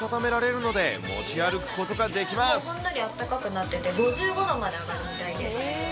ほんのりあったかくなってて、５５度まで上がるみたいです。